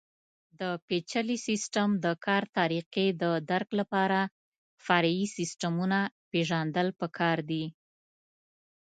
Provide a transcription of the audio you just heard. د پېچلي سیسټم د کار طریقې د درک لپاره فرعي سیسټمونه پېژندل پکار دي.